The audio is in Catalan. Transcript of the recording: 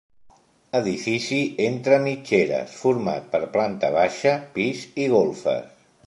Edifici entre mitgeres, format per planta baixa, pis i golfes.